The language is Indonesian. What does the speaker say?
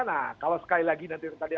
nah kalau sekali lagi nanti tadi